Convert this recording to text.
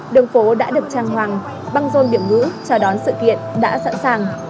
đường phố đã được trang hoàng băng rôn điểm ngữ chờ đón sự kiện đã sẵn sàng